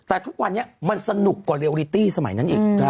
แต่ทุกวันนี้มันสนุกกว่าเรียลิตี้สมัยนั้นอีก